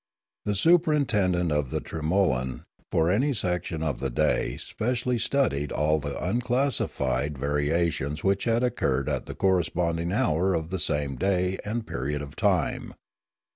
The superintendent of the tremolan for any section of the day specially studied all the unclassified variations which had occurred at the corresponding hour of the same day and period of time.